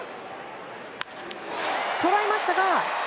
捉えましたが。